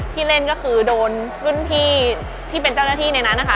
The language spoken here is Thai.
ที่เล่นก็คือโดนรุ่นพี่ที่เป็นเจ้าหน้าที่ในนั้นนะคะ